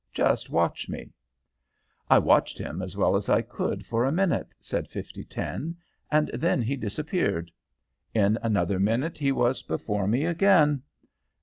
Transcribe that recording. Just watch me!' "I watched him as well as I could for a minute," said 5010; "and then he disappeared. In another minute he was before me again.